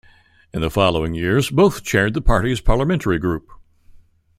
In the following years, both chaired the party's parliamentary group.